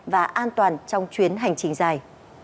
và an toàn trong chuyến hành trình dài